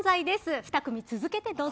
２組続けてどうぞ。